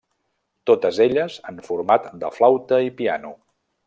Totes elles en format de flauta i piano.